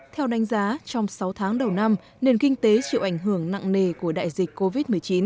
theo đánh giá trong sáu tháng đầu năm nền kinh tế chịu ảnh hưởng nặng nề của đại dịch covid một mươi chín